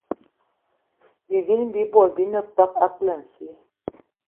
Bivini bi bot bi ne peg a poulassi